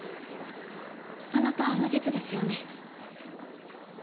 あなたは無実ですよね？